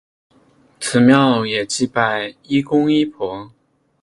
此庙也祭拜医公医婆。